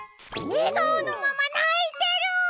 えがおのままないてる！